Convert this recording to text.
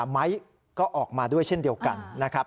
ไม้ก็ออกมาด้วยเช่นเดียวกันนะครับ